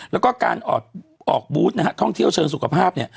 แล้วก็การออกบูธท่องเที่ยวเชิงสุขภาพ